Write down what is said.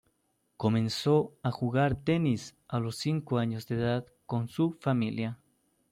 Comenzó a jugar tenis a los cinco años de edad con su familia.